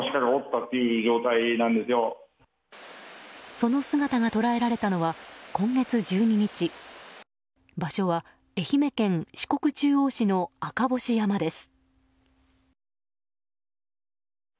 その姿が捉えられたのは今月１２日場所は愛媛県四国中央市の赤星山です。